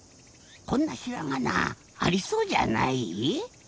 こんなひらがなありそうじゃない？